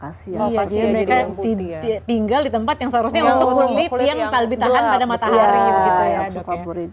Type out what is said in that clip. oh saksinya mereka tinggal di tempat yang seharusnya untuk kulit yang lebih tahan pada matahari gitu ya dok